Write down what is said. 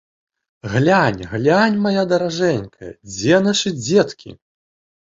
Глянь, глянь, мая даражэнькая, дзе нашы дзеткі!